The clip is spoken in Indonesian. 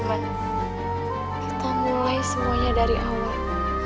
loh man kita mulai semuanya dari awal